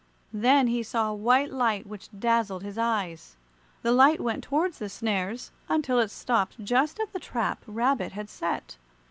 Then he saw a white light which dazzled his eyes. The light went towards the snares, until it stopped just at the trap Rabbit had set.